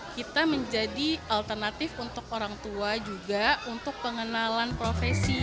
kita menjadi alternatif untuk orang tua juga untuk pengenalan profesi